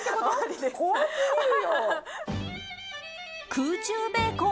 空中ベーコン。